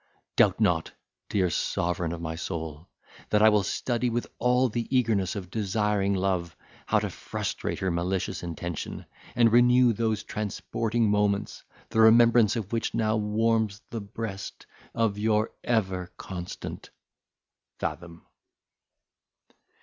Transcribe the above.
Doubt not, dear sovereign of my soul! that I will study, with all the eagerness of desiring love, how to frustrate her malicious intention, and renew those transporting moments, the remembrance of which now warms the breast of your ever constant FATHOM."